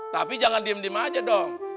tapi jangan diem diem aja dong